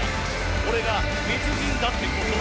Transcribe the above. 俺が別人だってことを。